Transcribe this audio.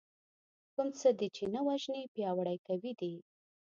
کوم څه دې چې نه وژنې پياوړي کوي دی .